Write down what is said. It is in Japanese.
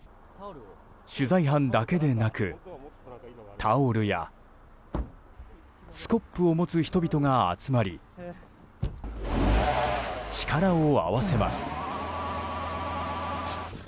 取材班だけでなく、タオルやスコップを持つ人々が集まり力を合わせます。